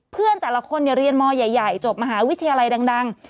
เพื่อนแต่ละคนเรียนมใหญ่จบมหาวิทยาลัยดัง